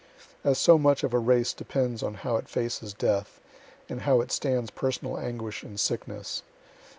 (As so much of a race depends on how it faces death, and how it stands personal anguish and sickness.